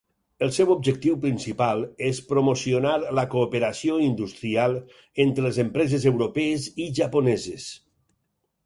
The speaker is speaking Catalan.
El seu objectiu principal és promocionar la cooperació industrial entre les empreses europees i japoneses.